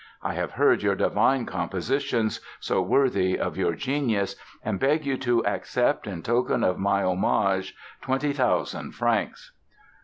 I have heard your divine compositions, so worthy of your genius, and beg you to accept, in token of my homage, twenty thousand francs...."